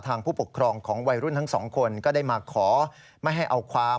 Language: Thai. ผู้ปกครองของวัยรุ่นทั้งสองคนก็ได้มาขอไม่ให้เอาความ